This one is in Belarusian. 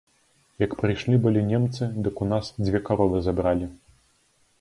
Як прыйшлі былі немцы, дык у нас дзве каровы забралі.